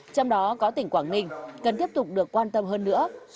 trong đó có tỉnh quảng ninh cần tiếp tục được quan tâm hơn nữa